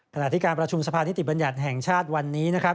ขณะที่การประชุมสภานิติบัญญัติแห่งชาติวันนี้นะครับ